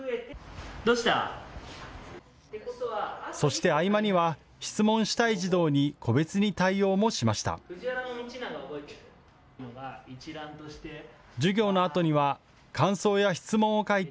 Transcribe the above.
そして合間には質問したい児童に個別に対応もしました。